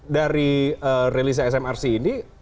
dari realisasi smrc ini